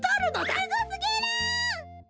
すごすぎる！